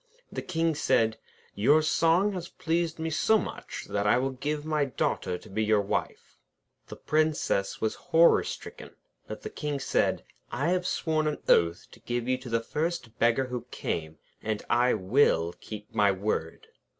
The King said: 'Your song has pleased me so much, that I will give you my Daughter to be your wife.' The Princess was horror stricken. But the King said: 'I have sworn an oath to give you to the first beggar who came; and I will keep my word.'